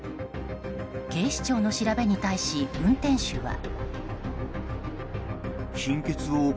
警視庁の調べに対し運転手は。